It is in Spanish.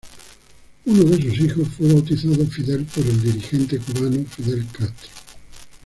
Uno de sus hijos fue bautizado Fidel por el dirigente cubano Fidel Castro.